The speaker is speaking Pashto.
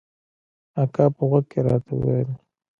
اکا په غوږ کښې راته وويل.